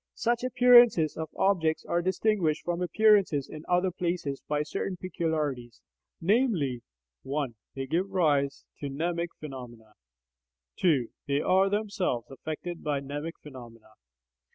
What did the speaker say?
Such appearances of objects are distinguished from appearances in other places by certain peculiarities, namely: (1) They give rise to mnemic phenomena; (2) They are themselves affected by mnemic phenomena.